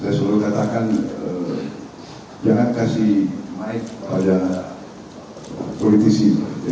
saya selalu katakan jangan kasih naik pada politisi